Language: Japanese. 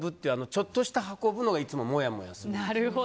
ちょっとした運ぶがいつももやもやするんです。